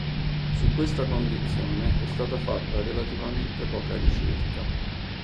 Su questa condizione è stata fatta relativamente poca ricerca.